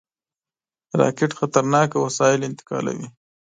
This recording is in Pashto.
راکټ خطرناک وسایل انتقالوي